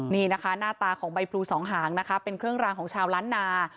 นี่นะคะหน้าตาของใบพลูสองหางนะคะเป็นเครื่องรางของชาวล้านนา